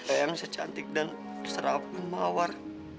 eang secantik dan serabu mawar